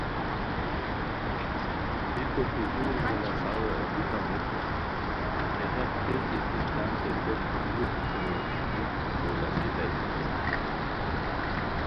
بیکو پوشور مہ لاساوے اوبریتام ریکو، ہے ڈاق ݯت دیتی تان ڈیکو تھولیو پوشورو چھینی تو لاسئیتائے